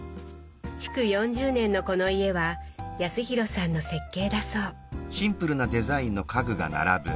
築４０年のこの家は康廣さんの設計だそう。